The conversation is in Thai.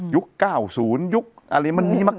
๙๐ยุคอะไรมันมีมาก